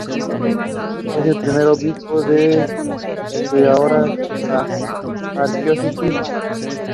Fue el primer obispo de lo que es ahora la Arquidiócesis de Nankín.